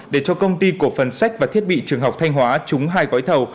để cho công ty cổ phần sách và thiết bị trường học thanh hóa trúng hai gói thầu